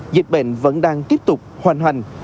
dịch bệnh vẫn đang tiếp tục hoàn hành